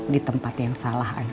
di tempat yang salah